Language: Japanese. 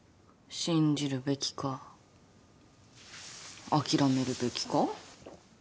信じるべきか諦めるべきか。